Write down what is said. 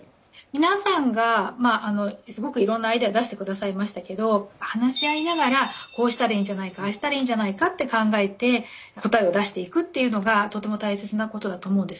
皆さんがすごくいろんなアイデアを出してくださいましたけど話し合いながらこうしたらいいんじゃないかああしたらいいんじゃないかって考えて答えを出していくっていうのがとても大切なことだと思うんですね。